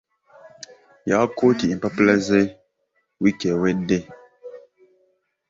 Yawa kkooti empapula ze wiiki ewedde.